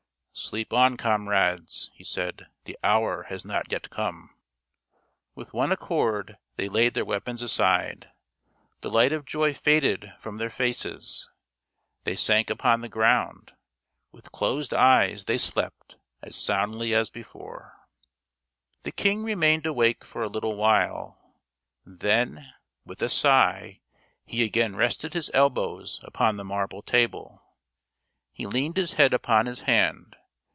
" Sleep on, comrades," he said ;" the hour has not yet come." FREDERICK BARBAROSSA 131 With one accord they laid their weapons aside ; the light of joy faded from their faces ; they sank upon the ground ; with closed eyes they slept as soundly as before. The king remained awake for a little while. Then, with a sigh, he again rested his elbows upon the marble table. He leaned his head upon his hand.